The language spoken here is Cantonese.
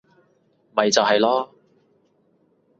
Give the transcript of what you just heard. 咪就係囉